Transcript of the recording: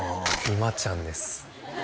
今ちゃんです